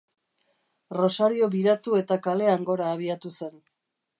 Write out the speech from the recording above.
Rosario biratu eta kalean gora abiatu zen.